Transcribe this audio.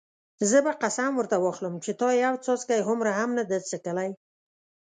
زه به قسم ورته واخلم چې تا یو څاڅکی هومره هم نه دی څښلی.